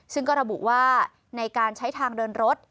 ซึ่งก็ระบุว่าในการใช้ทางเดินรถ